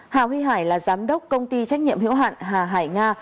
hà huy hải là giám đốc công ty trách nhiệm hiệu hạn hà hải nga